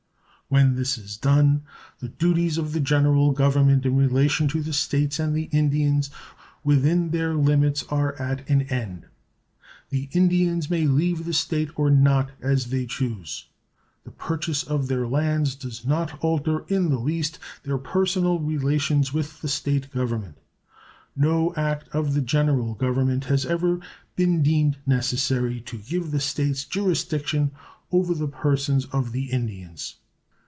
When this is done the duties of the General Government in relation to the States and the Indians within their limits are at an end. The Indians may leave the State or not, as they choose. The purchase of their lands does not alter in the least their personal relations with the State government. No act of the General Government has ever been deemed necessary to give the States jurisdiction over the persons of the Indians.